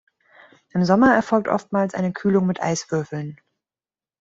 Im Sommer erfolgt oftmals eine Kühlung mit Eiswürfeln.